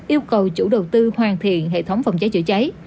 yêu cầu chủ đầu tư hoàn thiện hệ thống phòng trái trở trái